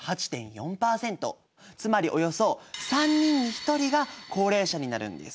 つまりおよそ３人に１人が高齢者になるんです。